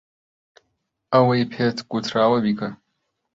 ئەوەی پێت گوتراوە بیکە.